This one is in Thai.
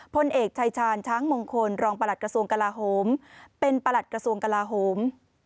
พลเอกชายชาญช้างมงคลรองประหลัดกระทรวงกลาโหมเป็นประหลัดกระทรวงกลาโหม